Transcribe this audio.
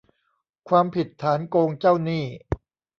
ความผิดฐานโกงเจ้าหนี้